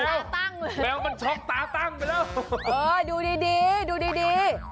เฮ้ยแมวพระตั้งแมวมันช็อกตาตั้งไปแล้วเออดูดีดีดูดีดี